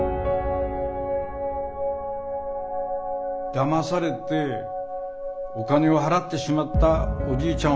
だまされてお金を払ってしまったおじいちゃん